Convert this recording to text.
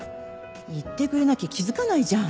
言ってくれなきゃ気づかないじゃん。